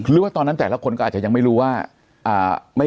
หรือว่าตอนนั้นแต่ละคนก็อาจจะยังไม่รู้ว่า